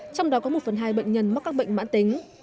trong đó có một phần hai bệnh nhân mắc các bệnh mãn tính